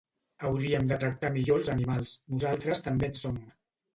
Hauriem de tractar millor els animals, nosaltres també en som.